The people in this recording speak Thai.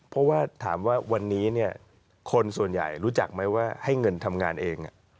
เพราะว่าถามว่าวันนี้คนส่วนใหญ่รู้จักไหมว่าให้เงินทำงานเอง